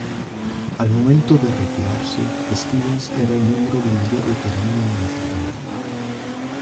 Al momento de retirarse, Stevens era el miembro de mayor veteranía en el Tribunal.